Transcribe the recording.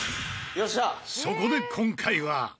そこで今回は。